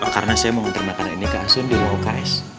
karena saya mau menter makanan ini ke asun di woks